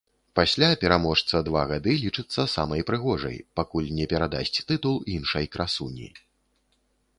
Пасля пераможца два гады лічыцца самай прыгожай, пакуль не перадасць тытул іншай красуні.